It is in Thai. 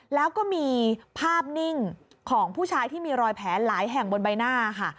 แล้วก็มีภาพนิ่งของผู้ชายที่มีรอยแผลหลายแห่งบนใบหน้าค่ะ